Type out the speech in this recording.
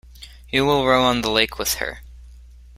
You will row on the lake with her.